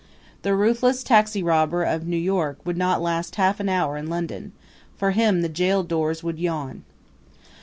The ruthless taxirobber of New York would not last half an hour in London; for him the jail doors would yawn.